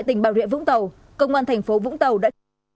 còn tại tỉnh bà rịa vũng tàu công an thành phố vũng tàu đã